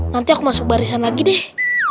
nanti aku masuk barisan lagi deh